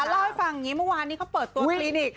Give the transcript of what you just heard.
เล่าให้ฟังอย่างนี้เมื่อวานนี้เขาเปิดตัวคลินิก